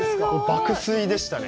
爆睡でしたね。